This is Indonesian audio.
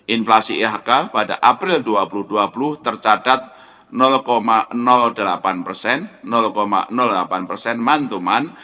inflasi ihk pada april dua ribu dua puluh tercatat delapan mantuman